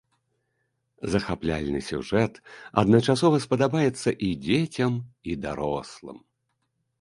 Захапляльны сюжэт адначасова спадабаецца і дзецям, і дарослым.